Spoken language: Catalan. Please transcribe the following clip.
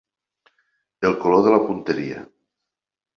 El color de la punteria.